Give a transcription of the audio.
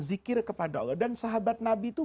zikir kepada allah dan sahabat nabi itu